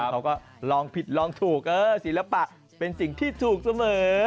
เขาก็ลองผิดลองถูกศิลปะเป็นสิ่งที่ถูกเสมอ